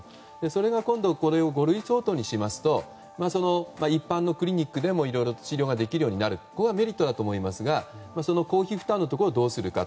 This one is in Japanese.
それが今度、五類相当にしますと一般のクリニックでもいろいろ治療ができるようになるここがメリットだと思いますが公費負担をどうするか。